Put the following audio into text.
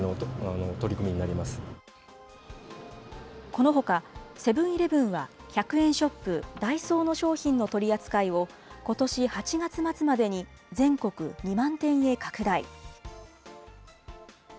このほか、セブンーイレブンは１００円ショップ、ダイソーの商品の取り扱いを、ことし８月末までに全国２万店へ拡大。